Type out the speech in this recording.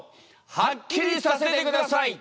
はっきりさせてください！